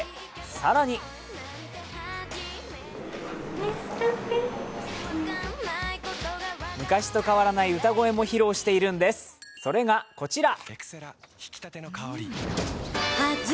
更に昔と変わらない歌声も披露しているんです、それがこちら。